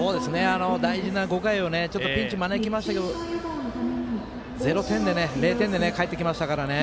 大事な５回ちょっとピンチ、招きましたけど０点でかえってきましたからね。